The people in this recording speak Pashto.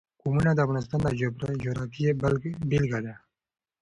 قومونه د افغانستان د جغرافیې بېلګه ده.